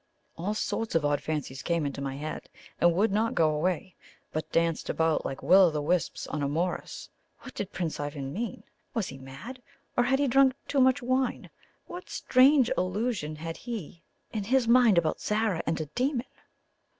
All sorts of odd fancies came into my head, and would not go away, but danced about like Will o' the wisps on a morass. What did Prince Ivan mean? Was he mad? or had he drunk too much wine? What strange illusion had he in his mind about Zara and a demon?